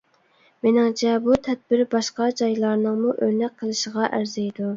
مېنىڭچە، بۇ تەدبىر باشقا جايلارنىڭمۇ ئۆرنەك قىلىشىغا ئەرزىيدۇ.